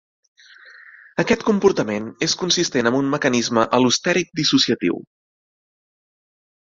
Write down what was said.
Aquest comportament és consistent amb un mecanisme al·lostèric dissociatiu.